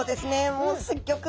もうすっギョく